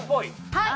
はい！